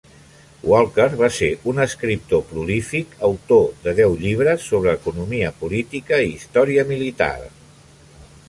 Walker va ser un escriptor prolífic, autor de deu llibres sobre economia política i història militar.